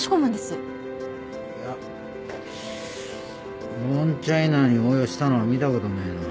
いやボーンチャイナに応用したのは見たことねぇな。